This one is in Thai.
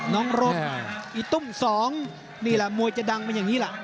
ลงโรสอีตุ๊ม๒นี่ละมวยจะดังแบบนี้ละ